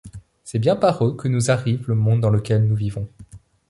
C’est bien par eux que nous arrive le monde dans lequel nous vivons.